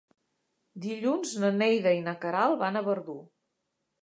Dilluns na Neida i na Queralt van a Verdú.